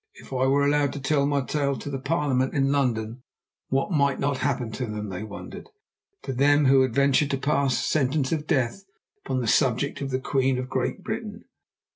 If I were allowed to tell my tale to the Parliament in London, what might not happen to them, they wondered—to them who had ventured to pass sentence of death upon a subject of the Queen of Great Britain?